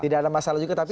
tidak ada masalah juga tapi